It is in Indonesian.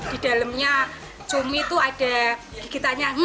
di dalamnya cumi itu ada gigitannya